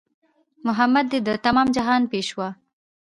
محمد دی د تمام جهان پېشوا